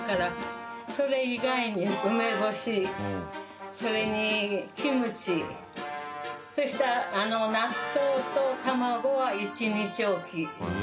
それ以外に梅干しそれにキムチそしたら納豆と卵は１日おき。